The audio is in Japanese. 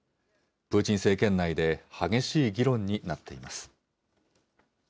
プーチン政権内で激しい議論になっています。